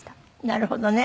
なるほどね。